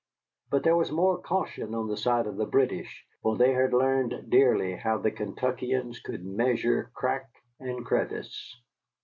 But there was more caution on the side of the British, for they had learned dearly how the Kentuckians could measure crack and crevice.